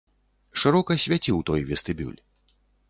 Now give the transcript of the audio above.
Шырока свяціў той вестыбюль.